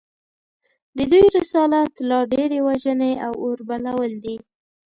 د دوی رسالت لا ډېرې وژنې او اوربلول دي